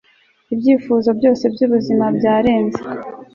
ibyifuzo byose byubuzima byarenze